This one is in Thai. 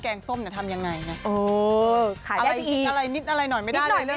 แกงส้มกันทำยังไงนะ